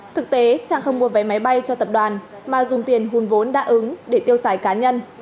thực tế trang không mua vé máy bay cho tập đoàn mà dùng tiền hùn vốn đã ứng để tiêu xài cá nhân